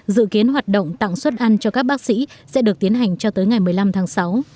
dự kiến hoạt động tặng suất ăn cho các bác sĩ sẽ được tiến hành cho tới ngày một mươi năm tháng sáu